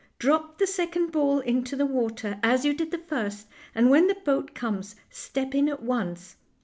Drop the second ball into the water, as you did the first, and when the boat comes step in at once.